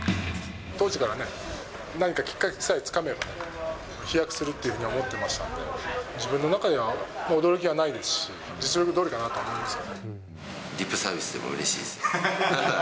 当時からね、何かきっかけさえつかめば、飛躍するってふうに思ってましたんで、自分の中では、驚きはないですし、リップサービスでもうれしいですね。